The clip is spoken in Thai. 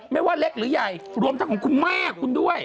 ไม่ว่าเล็กหรือใหญ่รวมทั้งของคุณแม่คุณด้วย